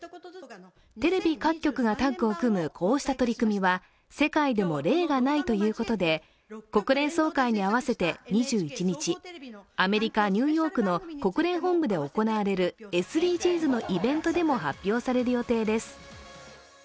テレビ各局がタッグを組むこうした取り組みは世界でも例がないということで国連総会に合わせて２１日、アメリカ・ニューヨークの国連本部で行われるＳＤＧｓのイベントでも発表される予定です。